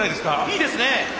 いいですね！